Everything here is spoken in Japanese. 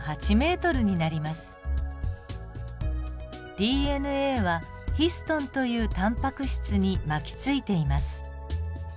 ＤＮＡはヒストンというタンパク質に巻きついています。